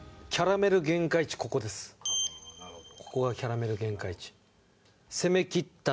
なるほどここがキャラメル限界値